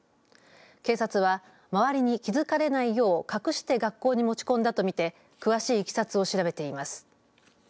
警察は、周りに気づかれないよう隠して学校に持ち込んだとみて詳しいいきさつを調べています。